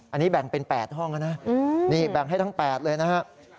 อันนี้แบ่งเป็น๘ห้องแล้วนะนี่แบ่งให้ทั้ง๘เลยนะฮะ